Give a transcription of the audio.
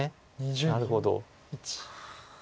なるほど。